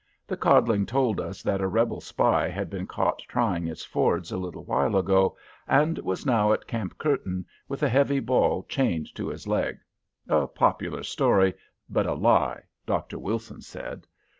The codling told us that a Rebel spy had been caught trying its fords a little while ago, and was now at Camp Curtin with a heavy ball chained to his leg, a popular story, but a lie, Dr. Wilson said.